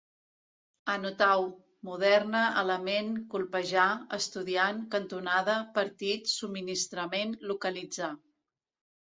Anotau: moderna, element, colpejar, estudiant, cantonada, partit, subministrament, localitzar